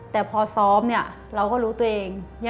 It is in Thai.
แต่พอซ้อมเนี่ยเราก็รู้ตัวเอง